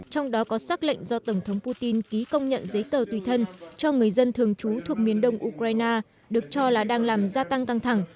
tùy thân cho người dân thường trú thuộc miền đông ukraine được cho là đang làm gia tăng tăng thẳng